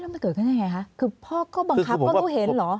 แล้วมันเกิดขึ้นอย่างไรคะคือพ่อก็บังคับว่าตัวเห็นหรือ